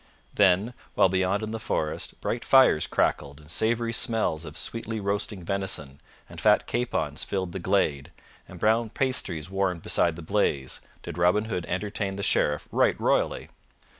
Then, while beyond in the forest bright fires crackled and savory smells of sweetly roasting venison and fat capons filled the glade, and brown pasties warmed beside the blaze, did Robin Hood entertain the Sheriff right royally.